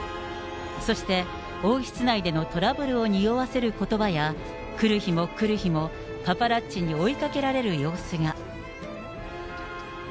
そして王室内でのトラブルをにおわせることばや、来る日も来る日も、パパラッチに追いかけられる様子が。